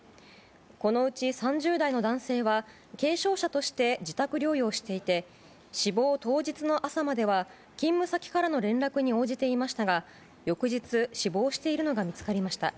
このうち３０代の男性は軽症者として自宅療養していて死亡当日の朝までは勤務先からの連絡に応じていましたが翌日死亡しているのが見つかりました。